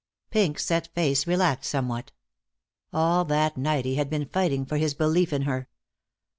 Pink's set face relaxed somewhat. All that night he had been fighting for his belief in her.